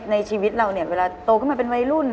ในชีวิตเราเนี่ยเวลาโตขึ้นมาเป็นวัยรุ่น